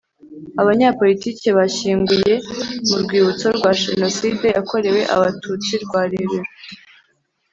Abanyapolitiki bashyinguye mu Rwibutso rwa Jenoside yakorewe Abatutsi rwa Rebero